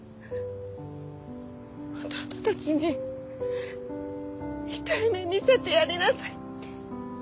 弟たちに痛い目見せてやりなさいって。